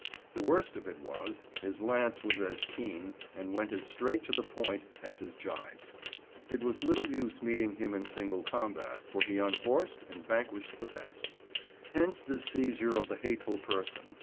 The worst of it was, his lance was as keen, and went as straight to the point, as his gibes. It was little use meeting him in single combat, for he unhorsed and vanquished the best. Hence this seizure of the hateful person.